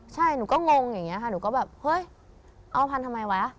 ใช่หนูก็งงอย่างนี้ค่ะหนูก็แบบเฮ้ยเอาพันทำไมวะ